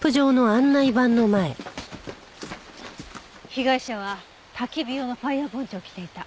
被害者は焚き火用のファイヤーポンチョを着ていた。